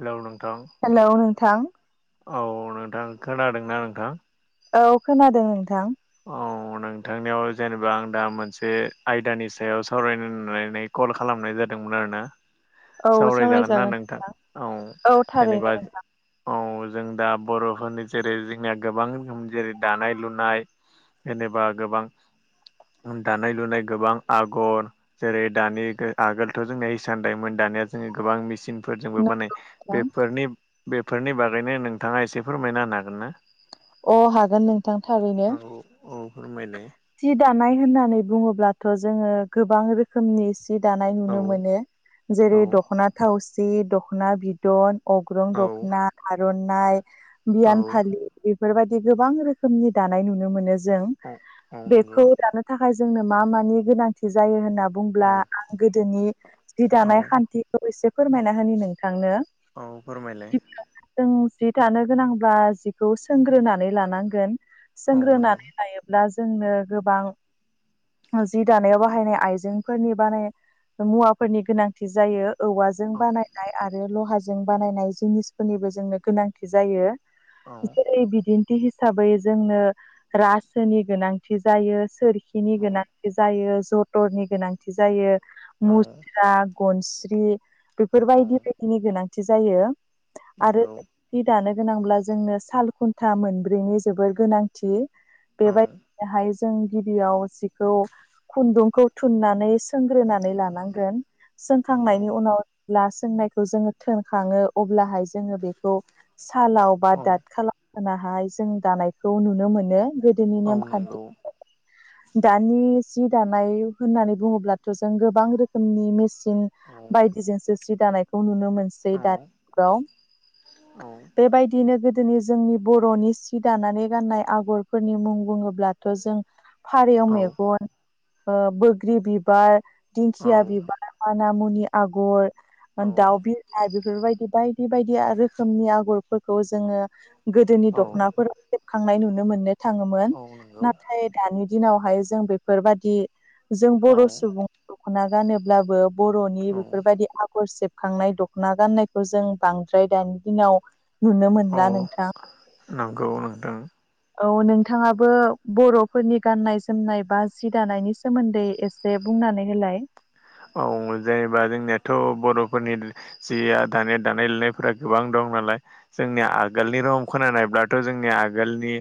Hello नोंथां hello नोंथां औ नोंथां खोनादोंना नोंथां औ खोनादों नोंथां औ नोंथांनियाव जेनेबा आं दा मोनसे आयदानि सायाव सावरायनो [unintelligible] कल खालामनाय जादोंमोन आरो ना सावरायजागोन ना नोंथां औ जेनेबा औ जों दा बर'फोरनि जेरै जोंनिया गोबां रोखोम जेरै दानाय लुनाय जेनेबा गोबां दानाय लुनाय गोबां आगर जेरै दानि आगोलथ' जोंनिया हिसान दायमोन दानिया जोङो गोबां मेचन फोरजोंबो बानाय नोंथां बेफोरनि बेफोरनि बागैनो नोंथाङा एसे फोरमायना होनो हागोन ना अ हागोननों थां थारैनो औ औ फोरमायनाय सि दानाय होननानै बुङोब्लाथ' जोङो गोबां रोखोमनि [unintelligible] दानाय औ नुनो मोनो जेरै औ दख'ना थावसि दख'ना बिदन अग्रं औ दखना आरारनायनाय औ बियान फालि बेफोरबायदि गोबां रोखोमनि दानाय नुनो मोनो जों औ औ नंगौ बेखौ दानो थाखाय जोंनो मा मानि गोनांथि जायो होनना। बुंब्ला औ आं गोदोनि जि औ दानाय खान्थिखौ एसे फोरमायना होनि नोंथांनो। औ फोरमायलाय गिबियावनो जों जि थानो गोनांब्लाा जिखौ सोंग्रोनानै लानांगोन औ नंगौ सोंग्रोनानै लायो दा जोंनो गोबां जि दानायाव बाहायनाय आइजेंफोरनि बानाय। मुवाफोरनि गोनांथि जायो औवा जों औ बानायनाय आरो लहाजों बानायनाय जिनिसफोरनिबो जोंनो गोनांथि जायो। औ जेरै बिदिन्थि हिसाबै जोंनो रा सोनि गोनांथि जायो सोरखिनि औ गोनांथि जायो ज टरनि गोनांथि जायो औ मुस्रा गनस्रि औ बेफोरबायायदि बायदिनि गोनांथि जायो आरो। नंगौ हि दानो गोनांब्ला जोंनो साल खुन्था मोनब्रैनि जोबोर गोनांथि। औ बेबायदिहाय जों गिबियाव जिखौ खुन्दुंखौ थुननानै सोंग्रोनानै औ लानांगोन। नंगौ सोंखांनायनि उनाव ला सोंनायखौ जोङो थोनखाङो अब्लाहाय जोङो बेखौ सालाव बा औ दाद खालाव होनाहाय जों दानायखौ नुनो मोनो गोदोनि औ नंगौ नेमखान्थि दानि जि दानाय होननानै बुङोब्लाथ' जों गोबां रोखोमनि मेस न औ बायदिजोंसो सि दानायखौ नुनो औ मोनो। औ [unintelligible] औ बेबायदिनो। दिनै जोंनि बर'नि सि दानानै गाननाय आगरफोरनि मुं बुङोब्लाथ' जों फारेव औ मेगन बोग्रि बिबार औ दिंखिया बिबार माना मुनि आगर दाउ बिराय बेफोरबायदि बाय बायदि बायदि रोखोमनि आगरफोरखौ जोङो गोदोनि दख'नाफोर सेबखांनाय नुनो मोननो थाङोमोन नंगौ नाथाय दानि दिनावहाय जों बेफोरबादि जों बर' औ सुबुं दख'ना गानोब्लाबो बर'नि बेफोरबायदि आग आगर सेबखांनाय दख'ना गाननायखौ जों बांद्राय दानि दिनाव नुनो औ मोनला औ नोंथां। नंगौ नोंथां औ नोंथाङाबो बर'फोरनि गाननाय जोमनाय बा जि दानायनि सोमोन्दै ए से बुंनानै होलाय। औ जेनेबा जोंनियाथ' बर'फोरनि जिया दानाय दानाय लुनायफोरा गोबां दं नालाय जोंनि आगोलनि रम खोनानायब्लाथ' जोंनि आगोलनि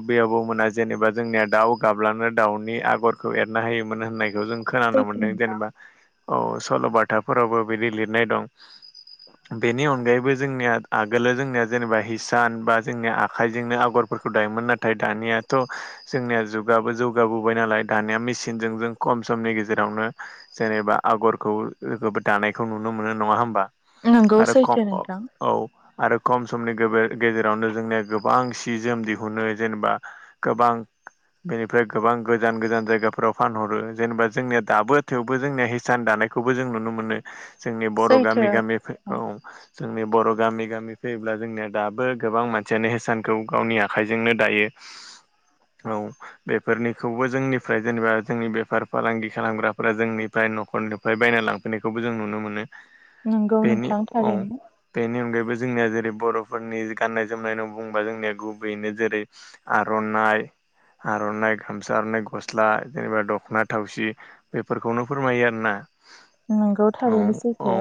आबै आबौमोना जेनेबा जोंनिया दाउ गाब्लानो दाउनि आगरखौ एरना होायोमोन होननायखौ जों खोनानो सैथो मोनदों नोंथां। जेनेबा औ सल'बाथाफोरावबो बिदि लिरनाय दं। बेनि अनगायैबो जोंनिया आगोलो जोंनिया जेनेबा हिसान बा जोंनिया आखाइजोंनो आगरफोरखौ दायोमोन। नाथाय दानियाथ' जोंनिया जुगाबो जौगाबोबाय नालाय दानिया मेसिनजों जों खम समनि गेजेरावनो जेनेबा आगरखौ लोगो दानायखौ नुनो मोनो नङा होमबा नंगौ आरो ख सैथो नोंथां औ आरो खम समनि गोबो-गेजेरावनो जोंनिया गोबां सि जोम दिहुनो जेनेबा गोबां बेनिफ्राय गोबां गोजान गोजान जायगाफोराव फानहरो जेनेबा जोंनिया दाबो थेवबो जोंनिया हिसान दानायखौबो जों नुनो मोनो जोंनि बर' गामि गामि फो औ जोंनि बर' गामि गामि फैयोब्ला जोंनिया दाबो गोबां मानसियानो हेसानखौ गावनि आखाइजोंनो दायो। [unintelligible] औ बेफोरनिखौबो जोंनिफ्राय जेनेबा जोंनि बेफार फालांगि खालामग्रा फोरा जोंनिफ्राय न'खरनिफ्राय बायना लांफैनायखौबो जों नुनो मोनो। नंगौ बेनि नोंथां औ थारैनो बेनि अनगायैबो जोंनिया जेरै बर'फोरनि गान्नाय जोमनाय बुंबा जोंनिया गुबैयैनो जेरै। आर'नाइ आर'नाइ गामसा आर'नाइ गस्ला जेनेबा दख'ना थावसि बेफोरखौनो फोरमायो आरोना। नोंगौ औ औ थारैनोसैथो?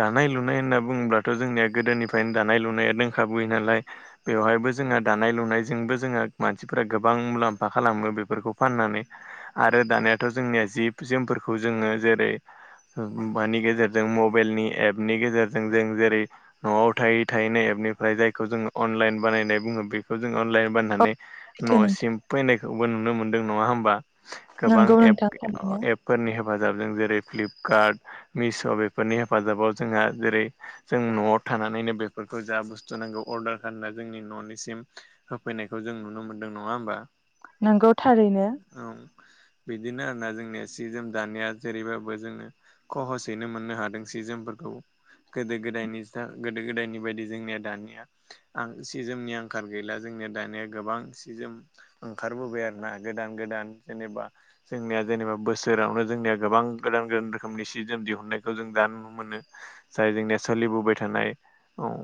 दानाय लुनाय होनना बुङोबथ' जोंनिया गोदोनिफ्रायनो दानाय लुनाया दंखाबोयो नालाय। बेवहायबो जोंहा दानाय लुनायजोंबो जोंहा मानसिफोरा गोबां मुलाम्फा खालामो बेफोरखौ फाननानै आरो दानायाथ' जोंनिया जिब जोमफोरखौ जोङो जेरै मानि गेजेरजों मबाइलनि एपनि गेजेरजों जों जेरै न'आव थायै थायै एपनिफ्राय जायखौ जोङो अनलाइन बानायनाय बुङो बेखौ जों अनलाइन बानायनानै सैथो नोंथां न'सिम फैनायखौबो नुनो मोनदों नङा होमबा गोबां नंगौ नोंथां थारैनो एप फोरनि हेफाजाबजों जेरै फ्लिपकार्ट मिश' बेफोरनि हेफाजाबाव जोंहा जेरै जों न'आव थानानैनो बेफोरखौ जा बुस्थु नांगौ अर्डार खालामना जोंनि न'निसिम होफैनायखौ जों नुनो मोनदों नङा होमबा? नोंगौ थारैनो। औ बिदिनो आरोना जोंनिया सि जोम दानाया जेरैबाबो जोङो खहसयैनो मोननो हादों सि जोमफोरखौ। गोदो गोदायनि दा गोदो गोदायनि बायदि जोंनिया दानिया आं सि जोमनि आंखाल गैला जोंनिया दानिया गोबां सि जोम ओंखारबोबाय आरोना गोदान-गोदान जेनेबा जोंनिया जेनेबा बोसोर सोरावनो जोंनिया गोबां गोदान गोदान रोखोमनि सि जोम दिहुननायखौ जों दा नुनो मोनो। जाय जोंनिया सोलिबोबाय थानाय औ।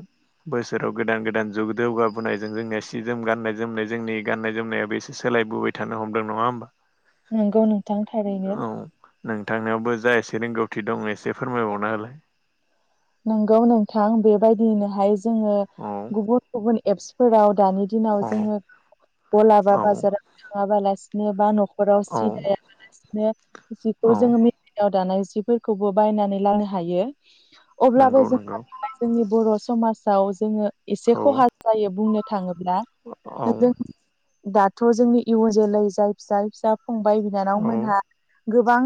बोसोराव गोदान गोदान जुग जौगाबोनाय जों जोंनिया सि जोम गाननाय जोमनाय जोंनि गाननाय जोमनायाबो एसे सोलायबोबाय थानो हमदों नङा होमबा? नोंगौ नों औ नोंथांनावबो जा एसे रोंगौथि दं एसे फोरमायबावना हालाय। नोंगौ नोंथां बेबायदिनोहाय जोङो औ गुबुन गुबुन एपसफोराव दानि दिनाव औ जोङो गलाबा औ बाजाराव थङाबालासिनो बा न'खराव सि औ दाया नो जिखौ औ जोङो मिनायाव दानाय जिफोरखौबो बायनानै लानो हायो। अब्लाबो नंगौ जोंहा नंगौ बे जोंनि बर' समाजाव जोङो एसे औ खहा जायो बुंनो थाङोब्ला औ जों दाथ' जोंनि इयुन जोलै जाय फिसाय फिसा फंबाय बिनानाव औ मोनहा गोबां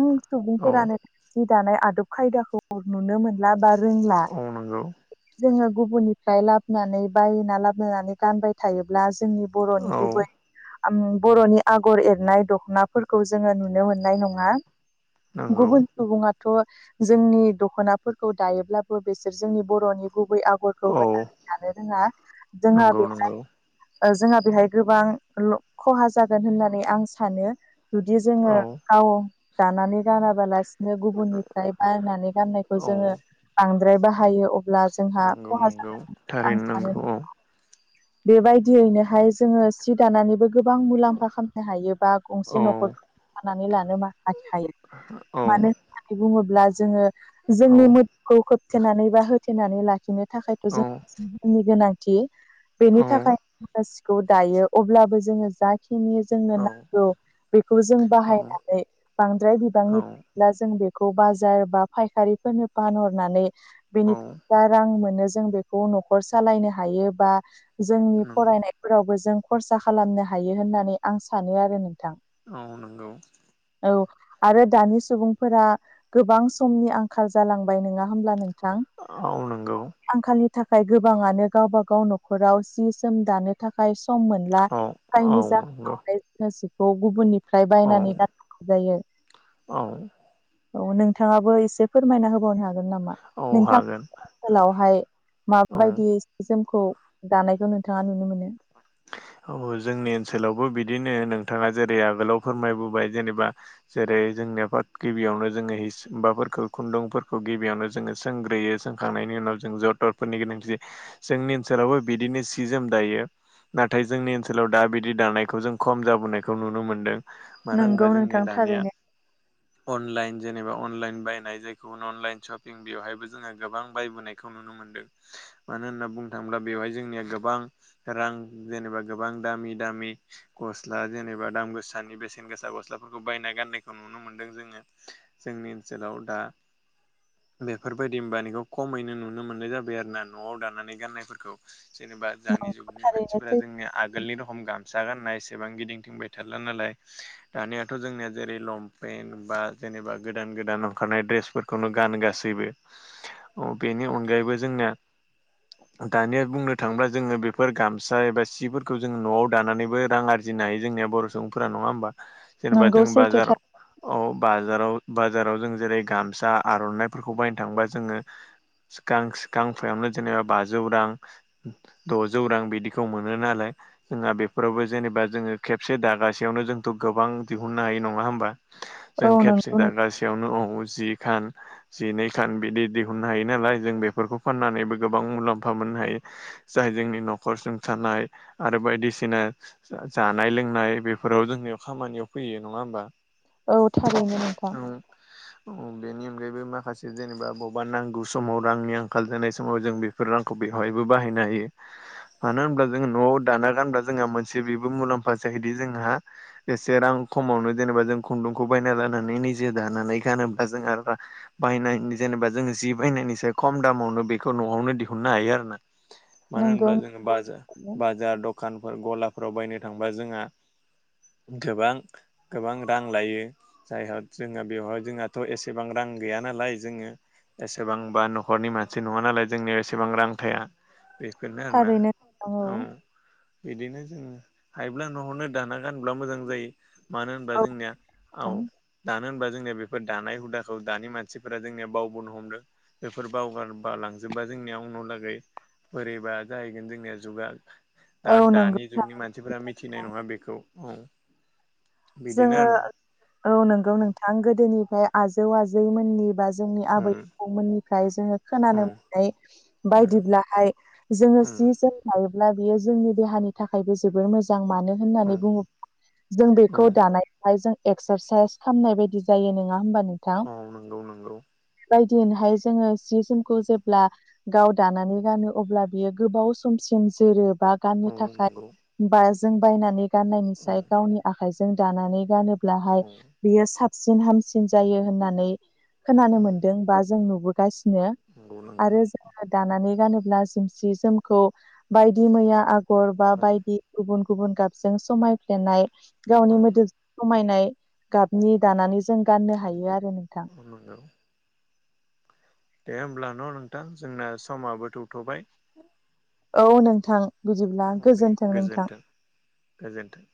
औ सुबुंफोरानो जि दानाय आदब खायदाखौ नुनो मोनला बा रोंला‌। औ नंगौ जोङो गुबुननिफ्राय लाबनानै बायना लाबोनानै गानबाय थायोब्ला जोंनि बर'नि औ गुबै बर'नि आगर एरनाय दख'नाफोरखौ जोङो नुनो मोननाय नङा। नंगौ गुबुन सुबुङाथ' जोंनि दख'नाफोरखौ दायोब्लाबो बिसोर जोंनि बर'नि गुबै आगर औ होनानै दानो रोङा जोङो नंगौ बेहाय नंगौ ओ‌ जोंहा बेहाय गोबां ल खहा जागोन होननानै आं सानो। जुदि जोङो औ गाव दानानै गानाबालास सिनो गुबुननिफ्राय बायनानै गाननायखौ जोङो औ बांद्राय बाहायो अब अब्ला जोंहा नंगौ खहा नंगौ जागोन आं होननानै आं थारैनो सानो। नंगौ औ बेबायदियैनोहाय जोङो सि दानानैबो गोबां मुलाम्फा खालामनो हायो बा गंसे न'खरखौ औ दानानै लानो मा‌ हायो-हायो औ मानो होननानै बुङोब्ला जोङो जोंनि औ मोदोमखौ खोबथेनानै बा होथेनानै लाखिनो थाखायथ' औ जों सिनि गोनांथि बेनि औ थाखाय सिखौ दायो अब्लाबो जोङो जाय बेखिनि जोंनो नांगौ बेखौ जों औ बाहायनानै बांद्राय औ बिबांनिब्ला जों बे खौ बाजार बा फायखारिफोरनो फानहरनानै बेनि औ रां मोनो जों बे खौ न'खर सालायनो हायो बा जोंनि नंगौ फरायनाय फोरावबो जों खरसा खालामनो हायो होननानै आं सानो आरो नोंथां। औ नंगौ। औ आरो दानि सुबुंफोरा गोबां समनि आंखाल जालांबाय नङा होमब्ला नोंथां? औ नंगौ। आंखालनि थाखाय गोबाङानो गावबागाव न'खराव जि सोम दानो थाखाय सम मोन बा औ औ जायनि नंगौ जाहोनावखौ गुबुननिफ्राय बायनानै औ गाननांगौ जायो औ औ नोंथाङाबो एसे फोरमायना होबावनो हागोन नामा औ नोंथां हागोन ओनसोलावहाय औ माबायदि सि जोमखौ दानायखौ नोंथाङा नुनो मोनो औ जोंनि ओनसोलावबो बिदिनो नोंथाङा जेरै आगोलाव फोरमायबोबाय जेनेबा जेरै जोंनि आफाद गिबियावनो जोङो हाफोरखौ खुन्दुंफोरखौ गिबियावनो जोङो सोंग्रोयो सोंखांनायनि उनाव जों जथरफोरनि गोनांथि जोंनि ओनसोलावबो बिदिनो सि जोम दायो नाथाय जोंनि ओनसोलाव दा बिदि दानायखौ जों खम जाबोनायखौ नुनो मोन्दों नोंगौ नोंथां थारैनो अनलाइन जेनेबा अनलाइन बायनाय जायखौ अनलाइन सशपिं बेवहायबो जोङो गोबां बायबोनाय खौ नुनो मोनदों मानो होनना बुंनो थाङोब्ला बेवहाय जोंनिया गोबां रां जेनेबा गोबां दामि दामि गस्ला जेनेबा दाम गोसानि बेसेन गोसा गस्लाफोरखौ बायना गाननायखौ नुनो मोनदों जोङो जोंनि ओनसोलाव दा बेफोरबायदि होमबानिखौ खमैनो नुनो मोननाय जाबाय आरो ना न'आव दानानै गाननायफोरखौ जेनेबा दानि नंगौ जुगनि थारैनो मानसिफोरा सैथो जों आगोलनि रखम गामसा गाननाय एसेबां गिदिंथिंबाय थारला नालाय दानियाथ' जोंनिया जेरै लंपेन बा जेनेबा गोदान गोदान ओंखारनाय दड्रेसफोरखौनो गान गासैबो औ बेनि अनगायैबो जोंना दानिया बुंनो थाङोब्ला जोङो बेफोर गाम फिसा एबा सिफोरखौ जोङो न'आव दानानैबो रां आरजिनो हायो जोंनिया बर' सुबुंफोरा नङा होमबा जेनेबा नंगौ जों सैथो बाजाराव औ बाजाराव बाजाराव जों जेरै गामसा आर'नाइफोरखौ बायनो थाङोबा जोङो सिखां सिखांफोरावनो जेनेबा बाजौ रां द'जौ रां बिदि खौ मोनो नालाय जोंहा बेफोरावबो जेनेबा जोङो खेबसे दागासेयावनो जोंथ' गोबां दिहुननो हायो नङा होमबा थार औ जों नंगौ खेबसे नों दागासेयावनो औ जि खान जिनै खान बिदि दिहुननो हायो नालाय जों बेफोरखौ फाननानैबो गोबां मुलाम्फा मोननो हायो जाय जोंनि न'खर सुंथानाय आरो बायदिसिना जानाय लोंनाय बेफोराव जोंनियाव खामानियाव फैयो नङा होमबा औ थारैनो नोंथां औ बेनि अनगायैबो माखासे जेनेबा बबेबा नांगौ समाव रांनि आंखाल जानाय समाव जों बे बेफोर रांखौ बेवहायबो बाहायनो हायो मानो होनब्ला जोङ न'आव दाना गानब्ला जोंहा मोनसे बेबो मुलाम्फा जाहैदि जोंहा एसे रां खमावनो जेनेबा जों खुन्दुंखौ बायना लानानै निजे दानानै गानोबा जोंहा बाय जेनेबा जों जि बायनायनिसो खम दामावनो बेखौ न'आवनो दिहुननो हायो आरो ना मानो नंगौ होनब्ला जोङो बाजा-बाजार द खानफोर गलाफोराव बायनो थांबा जोंहा गोबां गोबां रां लायो जायहा जोंहा बेवहाय जोंहाथ' एसेबां रां गैया नालाय जोङो एसेबांबा न'खरनि मानसि नङा नालाय जोंनियाव एसेबां रां थाया बेफोरनो आरोना थारैनो औ नोंथां बिदिनो जोङो हायोब्ला न'आवनो दाना गानब्ला मोजां जायो मानो होनबा औ जोंनिया आव नोंथां दानो होनबा जोंनिया बेफोर दानाय हुदाखौ दानि मानसिफोरा जोंनिया बावबोनो हमदों बेफोर बावगारबा लांजोबबा जोंनिया आ उनाव लागै बोरैबा जाय जोंनिया जुगा दा औ नंगौ दानि जुगनि मानसिफोरा मिथिनाय थारैनो नङा बेखौ औ बिदिनो जोङो आरोना औ नंगौ नोंथां गोदोनिफ्राय आजौ आजैमोननि बा जोंनि आबै आबौमोननिफ्राय जोङो खोनानो मोननाय बायदिब्लाहाय जोङो उम सि जोम लायोब्ला बेयो जोंनि देहानि थाखायबो जोबोर मोजां। मोजां मानो उम होननानै बुङो जों बेखौ उम दानाय हाय - जों एक्सारसाइस खालामनाय बायदि जायो नङा होमबा नोंथां औ नंगौ नंगौ ब दिनहाय जोङो सि जोमखौ जेब्ला गाव दानानै गानो अब्ला बियो गोबाव समसिम जोरोबा गाननो औ थाखाय नंगौ बा जों बायनानै औ गाननायनिसाय गावनि आखाइजों दानानै गानोब्ला बाहाय औ बियो साबसिन हामसिन जायो होननानै खोनानो मोनदों बा जों नुबो गासिनो नंगौ नंगौ आरो जोङो दानानै गानोब्ला जि जोमखौ बायदि मैया आगर बा औ बायदि गुबुन गुबुन गाबजों समायफ्लेनाय गावनि औ मोदोम सममायनाय गाबनि दानानै जों गाननो हायो आरो नोंथां। [inaudible] दे होमब्ला न' नोंथां जोंना समाबो थौथ'बाय। औ नोंथां। बिदिब्ला औ दे नोंथां। गोजोन्थों गोजोनथों।